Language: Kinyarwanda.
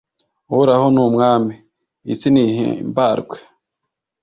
uhoraho ni umwami! isi nihimbarwe